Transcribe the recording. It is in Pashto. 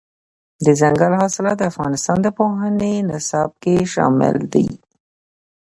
دځنګل حاصلات د افغانستان د پوهنې نصاب کې شامل دي.